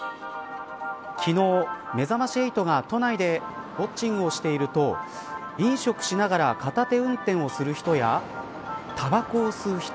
昨日、めざまし８が都内でウオッチングをしていると飲食しながら片手運転をする人やタバコを吸う人。